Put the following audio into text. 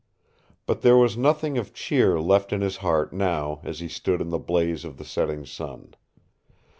But there was nothing of cheer left in his heart now as he stood in the blaze of the setting sun.